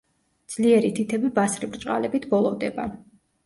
ძლიერი თითები ბასრი ბრჭყალებით ბოლოვდება.